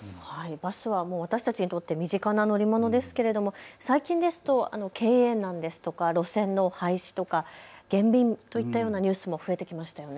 バスは私たちにとって身近な乗り物ですが最近だと経営難や路線の廃止、減便といったようなニュースも入ってきましたよね。